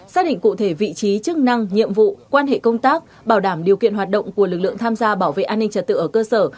xác định cụ thể vị trí chức năng nhiệm vụ quan hệ công tác bảo đảm điều kiện hoạt động của lực lượng tham gia bảo vệ an ninh trật tự ở cơ sở